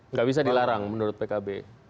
nggak bisa dilarang menurut pkb